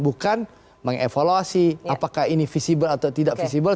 bukan mengevaluasi apakah ini visible atau tidak visible